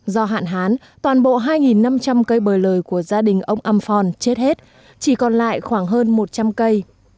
do hạn hán toàn bộ hai năm trăm linh cây bời lời của gia đình ông am phon chết hết chỉ còn lại khoảng hơn một trăm linh cây